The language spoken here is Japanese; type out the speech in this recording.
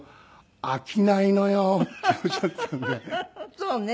そうね。